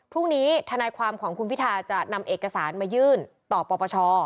ทนายความของคุณพิทาจะนำเอกสารมายื่นต่อปปช